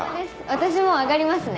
私もう上がりますね。